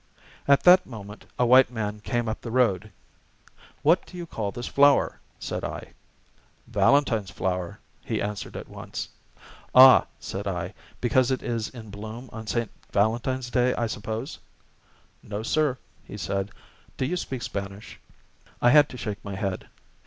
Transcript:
At that moment a white man came up the road. "What do you call this flower?" said I. "Valentine's flower," he answered at once. "Ah," said I, "because it is in bloom on St. Valentine's Day, I suppose?" "No, sir," he said. "Do you speak Spanish?" I had to shake my head.